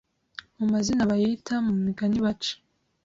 mu mazina bayita, mu migani baca,